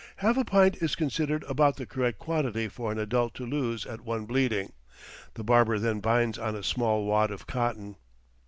Half a pint is considered about the correct quantity for an adult to lose at one bleeding; the barber then binds on a small wad of cotton.